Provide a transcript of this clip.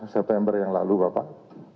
september yang lalu bapak